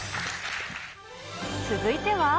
続いては。